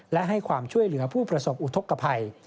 และให้ความช่วยเหลือผู้ประสบอุทธกภัย